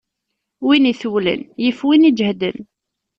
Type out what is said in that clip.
Win itewlen yif win iǧehden.